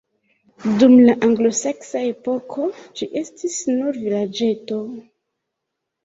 Dum la anglosaksa epoko ĝi estis nur vilaĝeto.